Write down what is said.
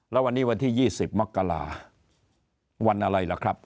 แล้ววันนี้วันที่๒๐มกราวันอะไรล่ะครับ